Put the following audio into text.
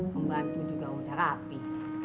pembantu juga udah rapi